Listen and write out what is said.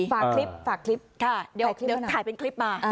ฝากคลิปฝากคลิปเดี๋ยวถ่ายเป็นคลิปมา